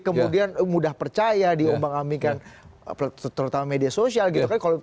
kemudian mudah percaya diombang ambilkan terutama media sosial gitu